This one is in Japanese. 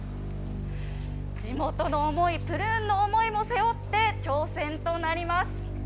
地元の想い、プルーンの想いも背負って、挑戦となります。